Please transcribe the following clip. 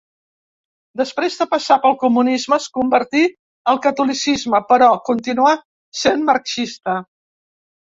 Després de passar pel comunisme, es convertí al catolicisme, però continuà sent marxista.